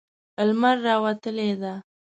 لمر راوتلی ده